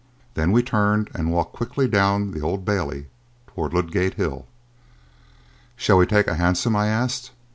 Then we turned and walked quickly down the Old Bailey towards Ludgate Hill. "Shall we take a hansom?" I asked.